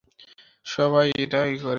সবাই এটা করে।